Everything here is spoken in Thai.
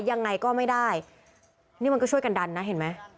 ยังไงก็ไม่ได้นี่มันก็ช่วยกันดันนะเห็นไหม